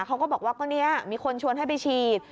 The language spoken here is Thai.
เขาก็บอกว่ามีคนชวนให้ไปฉีด